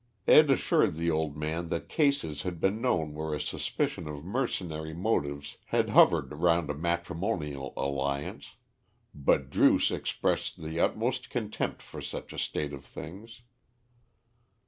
Ed. assured the old man that cases had been known where a suspicion of mercenary motives had hovered round a matrimonial alliance, but Druce expressed the utmost contempt for such a state of things.